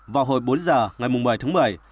vào hồi bốn giờ ngày một mươi một mươi